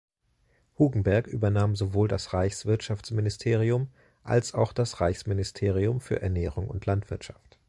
Hugenberg übernahm sowohl das Reichswirtschaftsministerium als auch das Reichsministerium für Ernährung und Landwirtschaft.